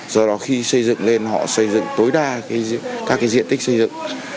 do đó khi xây dựng lên họ xây dựng tối đa các diện tích xây dựng